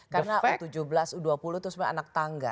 karena u tujuh belas u dua puluh itu sebenarnya anak tangga